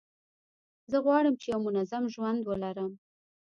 زه غواړم چي یو منظم ژوند ولرم.